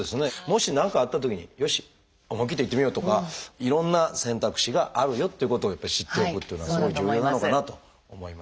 もし何かあったときによし思い切っていってみようとかいろんな選択肢があるよということを知っておくっていうのはすごい重要なのかなと思いました。